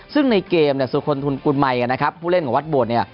ซึ่งในเกมสุฆนทุนกุลมัยผู้เล่นของวัดบวช